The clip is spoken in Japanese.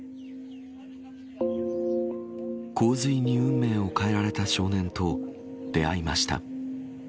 洪水に運命を変えられた少年と出会いました。